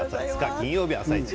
金曜日の「あさイチ」